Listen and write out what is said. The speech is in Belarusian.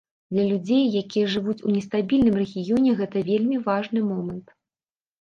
Для людзей, якія жывуць у нестабільным рэгіёне, гэта вельмі важны момант.